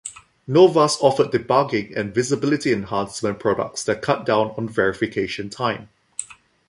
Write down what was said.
Novas offered debugging and visibility enhancement products that cut down on verification time.